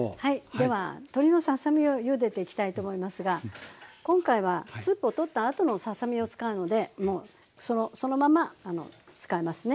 では鶏のささ身をゆでていきたいと思いますが今回はスープをとったあとのささ身を使うのでもうそのまま使いますね。